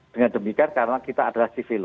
dengan demikian karena kita adalah civil